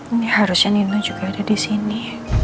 ini harusnya nino juga ada disini